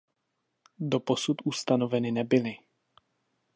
Doposud ustanoveny nebyly.